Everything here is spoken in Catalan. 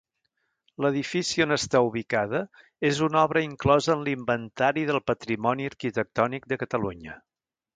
L'edifici on està ubicada és una obra inclosa en l'Inventari del Patrimoni Arquitectònic de Catalunya.